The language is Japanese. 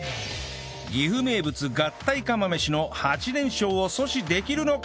岐阜名物合体釜飯の８連勝を阻止できるのか？